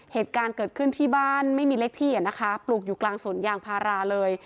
เหตุการณ์เกิดขึ้นที่บ้านไม่มีเลขที่นะคะปลูกอยู่กลางสวนยางพาราเลย